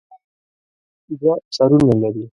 دوه سرونه لري.